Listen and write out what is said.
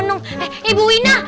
ibu ina ibu ina